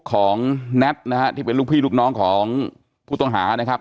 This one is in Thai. ของแน็ตนะฮะที่เป็นลูกพี่ลูกน้องของผู้ต้องหานะครับ